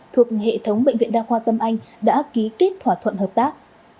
thuộc hệ thống bệnh viện đa khoa tâm anh đã ký kết thỏa thuận hợp tác